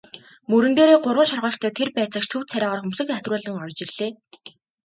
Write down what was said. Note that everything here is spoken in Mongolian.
Мөрөн дээрээ гурван шоргоолжтой тэр байцаагч төв царайгаар хөмсөг атируулан орж ирлээ.